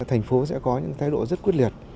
thành phố sẽ có những thái độ rất quyết liệt